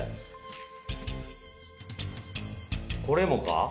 これもか？